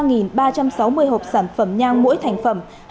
ba ba trăm sáu mươi hộp sản phẩm nhang mỗi thành phẩm